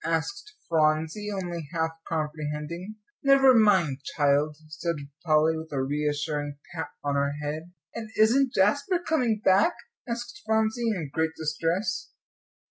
asked Phronsie, only half comprehending. "Never mind, child," said Polly, with a reassuring pat on her head. "And isn't Jasper coming back?" asked Phronsie, in great distress.